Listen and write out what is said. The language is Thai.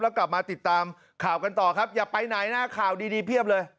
แล้วกลับมาติดตามข่าวกันต่อครับอย่าไปไหนนะข่าวดีเพียบเลย